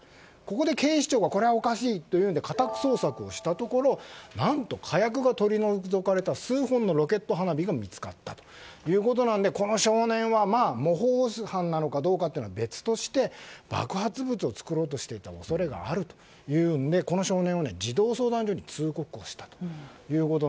ここで警視庁がこれはおかしいというので家宅捜索をしたところ何と火薬が取り除かれた数本のロケット花火が見つかったということなのでこの少年は模倣犯なのかどうかは別として爆発物を作ろうとしていた恐れがあるというのでこの少年は児童相談所に通告をしたと。